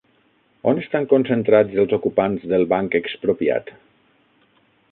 On estan concentrats els ocupants del Banc Expropiat?